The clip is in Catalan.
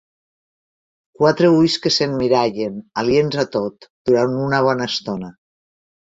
Quatre ulls que s'emmirallen, aliens a tot, durant una bona estona.